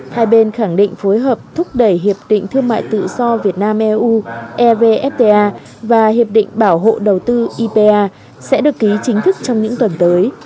hai bên khẳng định phối hợp thúc đẩy hiệp định thương mại tự do việt nam eu evfta và hiệp định bảo hộ đầu tư ipa sẽ được ký chính thức trong những tuần tới